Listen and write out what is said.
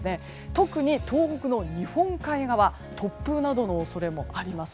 特に東北の日本海側突風などの恐れもあります。